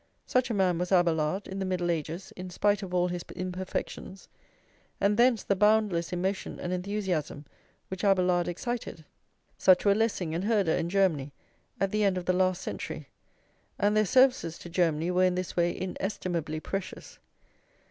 Such a man was Abelard in the Middle Ages, in spite of all his imperfections; and thence the boundless emotion and enthusiasm which Abelard excited. Such were Lessing and Herder in Germany, at the end of the last century; and their services to Germany were in this way inestimably precious.